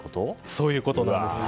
そういうことです。